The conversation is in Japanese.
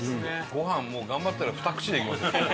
ご飯もう頑張ったらふた口でいけますよ。